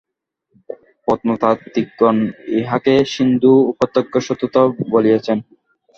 প্রত্নতাত্ত্বিকগণ ইহাকে সিন্ধু-উপত্যকার সভ্যতা বলিয়াছেন।